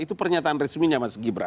itu pernyataan resminya mas gibran